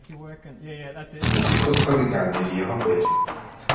nzi ko twabiganiriyeho mbere